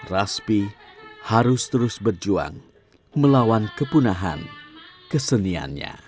rasbi harus terus berjuang melawan kepunahan keseniannya